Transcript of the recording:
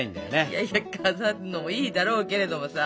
いやいや飾るのもいいだろうけれどもさ。